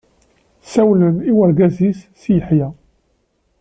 Ssawlen i urgaz-is Si Yeḥya.